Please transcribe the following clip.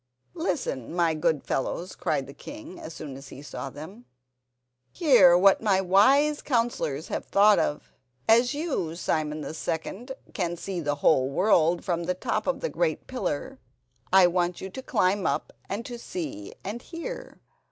"Listen, my good fellows," cried the king, as soon as he saw them. "Hear what my wise counsellors have thought of. As you, Simon the second, can see the whole world from the top of the great pillar, I want you to climb up and to see and hear.